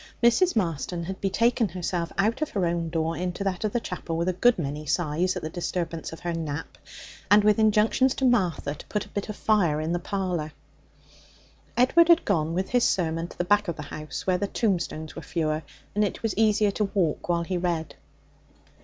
Mrs. Marston had betaken herself out of her own door into that of the chapel with a good many sighs at the disturbance of her nap, and with injunctions to Martha to put a bit of fire in the parlour. Edward had gone with his sermon to the back of the house where the tombstones were fewer and it was easier to walk while he read.